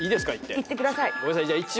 いってください。